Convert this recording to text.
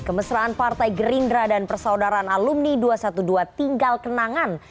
kemesraan partai gerindra dan persaudaraan alumni dua ratus dua belas tinggal kenangan